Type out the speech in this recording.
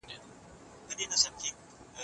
بدلونونه بايد په جامده توګه ونه څېړل سي.